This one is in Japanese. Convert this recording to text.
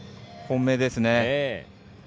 本命ですね。